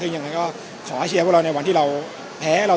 สวัสดีครับขออนุญาตถ้าใครถึงแฟนทีลักษณ์ที่เกิดอยู่แล้วค่ะ